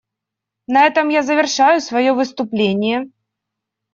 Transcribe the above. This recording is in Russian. На этом я завершаю свое выступление.